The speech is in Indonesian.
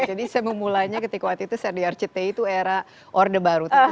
jadi saya memulainya ketika waktu itu saya di rcti itu era orde baru